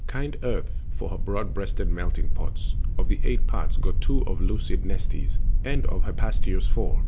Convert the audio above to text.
Kind Earth for her broad breasted melting pots, Of the eight parts got two of Lucid Nestis, And of Hephaestos four.